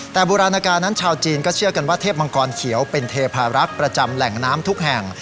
แต่โบราณการนั้นชาวจีนก็เชื่อกันว่าเทพมังกรเขียวเป็นเทพารักษ์ประจำแหล่งน้ำทุกแห่ง